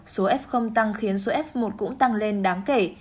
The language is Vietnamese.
số f tăng khiến số f một cũng tăng lên đáng kể